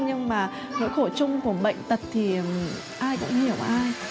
nhưng mà nỗi khổ chung của bệnh tật thì ai cũng hiểu ai